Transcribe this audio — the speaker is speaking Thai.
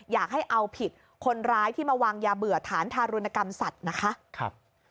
อยากให้เอาผิดคนร้ายที่มาวางยาเบื่อฐานทารุณกรรมสัตว์นะคะ